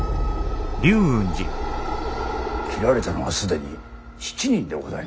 斬られたのは既に７人でございます。